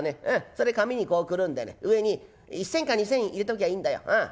それ紙にこうくるんでね上に１銭か２銭入れときゃいいんだようん。